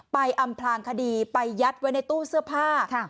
อำพลางคดีไปยัดไว้ในตู้เสื้อผ้า